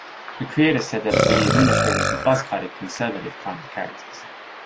The creators said that the administrators were buzz-cutted, conservative kind of characters.